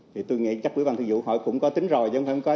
thì tôi nghĩ chắc quý bà thư vụ hỏi cũng có tính rồi chứ không phải không có